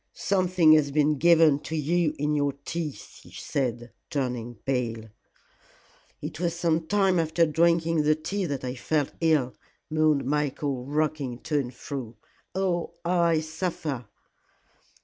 "Something has been given to you in your tea," she said, turning pale. "It was some time after drinking the tea that I felt ill," moaned Michael, rocking to and fro. "Oh, how I suffer."